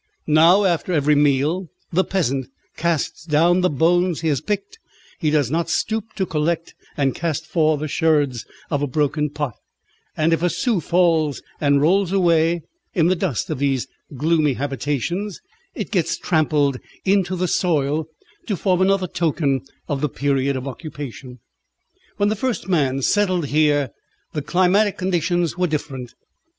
Now, after every meal, the peasant casts down the bones he has picked, he does not stoop to collect and cast forth the sherds of a broken pot, and if a sou falls and rolls away, in the dust of these gloomy habitations it gets trampled into the soil, to form another token of the period of occupation. When the first man settled here the climatic conditions were different.